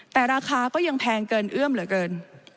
แต่ราคาก็ยังแพงเกินเอื้อมเหลือเกิน